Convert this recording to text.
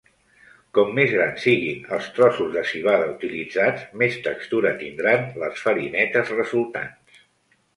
Com més grans siguin els trossos de civada utilitzats, més textura tindran les farinetes resultants.